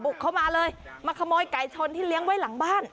เข้ามาเลยมาขโมยไก่ชนที่เลี้ยงไว้หลังบ้าน